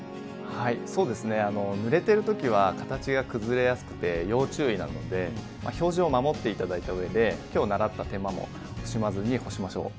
はいそうですねぬれてる時は形が崩れやすくて要注意なので表示を守って頂いた上で今日習った手間も惜しまずに干しましょう。